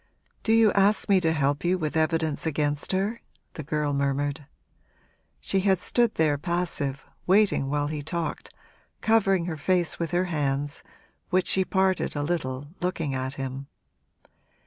'Do you ask me to help you with evidence against her?' the girl murmured. She had stood there passive, waiting while he talked, covering her face with her hands, which she parted a little, looking at him.